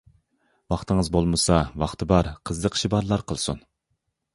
ۋاقتىڭىز بولمىسا ۋاقتى بار، قىزىقىشى بارلار قىلسۇن.